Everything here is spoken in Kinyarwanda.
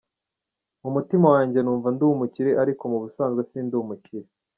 Mu mutima wanjye numva ndi umukire ariko mu busanzwe sindi umukire.